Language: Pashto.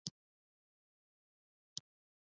د خبریالانو رول د رڼا راوړل دي.